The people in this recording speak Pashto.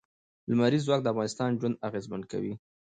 لمریز ځواک د افغانانو ژوند اغېزمن کوي.